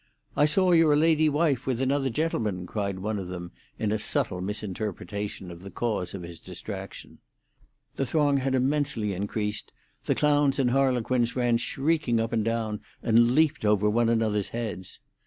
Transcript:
"I saw your lady wife with another gentleman," cried one of them, in a subtle misinterpretation of the cause of his distraction. The throng had immensely increased; the clowns and harlequins ran shrieking up and down, and leaped over one another's heads.